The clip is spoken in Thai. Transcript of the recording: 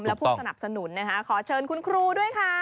และผู้สนับสนุนนะคะขอเชิญคุณครูด้วยค่ะ